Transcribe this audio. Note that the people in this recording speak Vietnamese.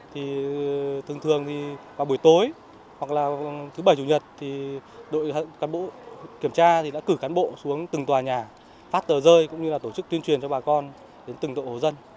thường thường qua buổi tối hoặc thứ bảy chủ nhật đội kiểm tra đã cử cán bộ xuống từng tòa nhà phát tờ rơi cũng như tổ chức tuyên truyền cho bà con đến từng đội hộ dân